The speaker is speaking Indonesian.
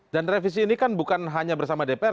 dan revisi ini kan bukan hanya bersama dpr